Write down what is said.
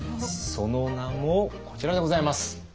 その名もこちらでございます。